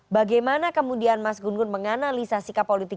bagaimana kemudian mas gun gun menganalisa sikap politik